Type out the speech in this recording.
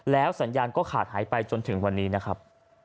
สัญญาณก็ขาดหายไปจนถึงวันนี้นะครับ